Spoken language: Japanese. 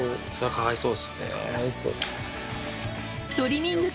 かわいそう。